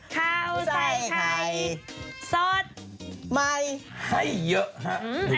ข่าวใส่ใครสดไม่ให้เยอะ